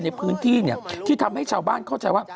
ในพื้นที่ที่ทำให้ชาวบ้านเข้าใจว่า